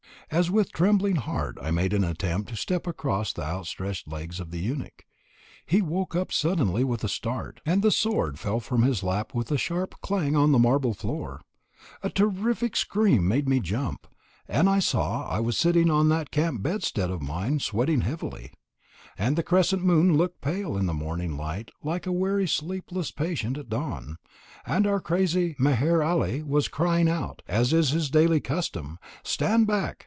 As with trembling heart I made an attempt to step across the outstretched legs of the eunuch, he woke up suddenly with a start, and the sword fell from his lap with a sharp clang on the marble floor. A terrific scream made me jump, and I saw I was sitting on that camp bedstead of mine sweating heavily; and the crescent moon looked pale in the morning light like a weary sleepless patient at dawn; and our crazy Meher Ali was crying out, as is his daily custom, "Stand back!